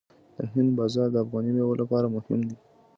د هند بازار د افغاني میوو لپاره مهم دی.